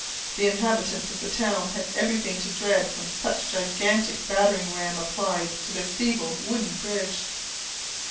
The inhabitants of the town had everything to dread from such a gigantic battering ram applied to their feeble wooden bridge.